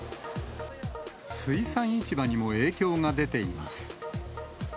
水産市場にも影響が出ています。